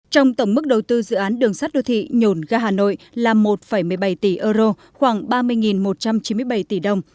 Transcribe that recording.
trong tổng mức đầu tư dự án đường sắt đô thị nhổn ga hà nội là một một mươi bảy tỷ euro khoảng ba mươi một trăm chín mươi bảy tỷ đồng